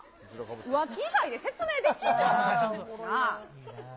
浮気以外で説明できんの？なぁ？